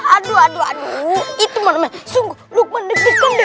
aduh aduh aduh itu mana mana sungguh lukman deg degan deh